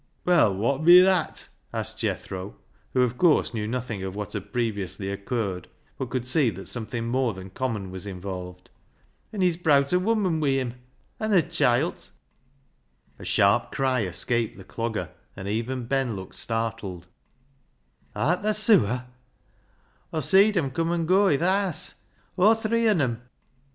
"Well, wot bi that?" asked Jethro, who, of course, knew nothing of what had previously occurred, but could see that something more than common was involved. " An' he's browt a woman wi' him — an' a chilt." A sharp cry escaped the Clogger, and even Ben looked startled. "Art thaa sewer?" "Aw seed em' cum, an' goa i' th' haase ; aw three on 'em."